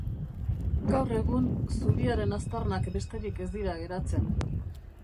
Gaur egun, zubiaren aztarnak besterik ez dira geratzen.